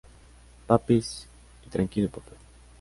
Papis" y "Tranquilo papá".